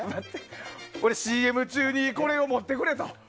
俺ＣＭ中にこれを持ってくれと。